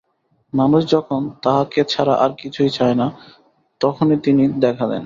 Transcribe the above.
মানুষ যখন তাঁহাকে ছাড়া আর কিছুই চায় না, তখনই তিনি দেখা দেন।